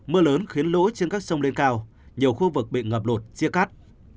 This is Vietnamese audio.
mưa lớn khiến lỗi trên các sông lên cao nhiều khu vực bị ngập lột chia cắt